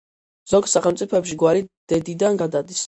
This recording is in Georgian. ზოგ სახელმწიფოებში გვარი დედიდან გადადის.